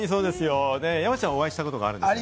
山ちゃん、お会いしたことがあるんですよね？